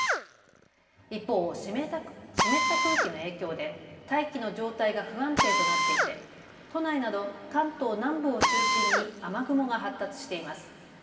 一方、湿った空気の影響で大気の状態が不安定となっていて都内など関東南部を中心に雨雲が発達しています。